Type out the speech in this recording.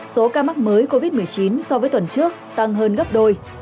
số ca mắc mới covid một mươi chín so với tuần trước tăng hơn gấp đôi